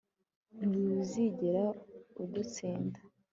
Ntuzigera udutsinda